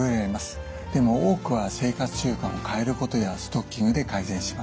でも多くは生活習慣を変えることやストッキングで改善します。